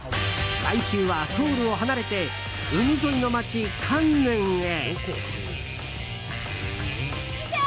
来週はソウルを離れて海沿いの街カンヌンへ。